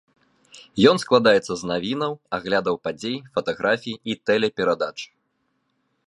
Ён складаецца з навінаў, аглядаў падзей, фатаграфій і тэлеперадач.